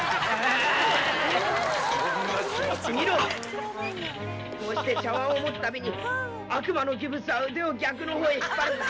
見ろ、こうして茶わんを持つたびに、悪魔のギプスは腕を逆のほうへ引っ張るんだ。